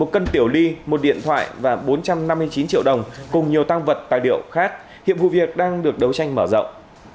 một cân tiểu ly một điện thoại và bốn trăm năm mươi chín triệu đồng cùng nhiều tăng vật tài liệu khác hiện vụ việc đang được đấu tranh mở rộng